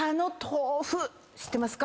知ってますか？